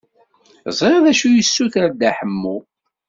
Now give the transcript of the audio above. Ẓriɣ d acu yuser Dda Ḥemmu.